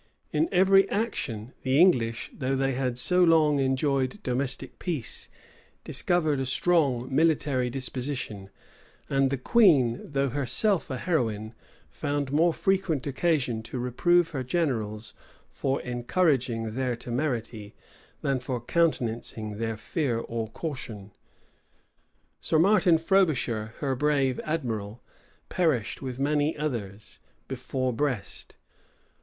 In every action, the English, though they had so long enjoyed domestic peace, discovered a strong military disposition; and the queen, though herself a heroine, found more frequent occasion to reprove her generals for encouraging their temerity, than for countenancing their fear or caution:[] Sir Martin Frobisher, her brave admiral, perished, with many others, before Brest.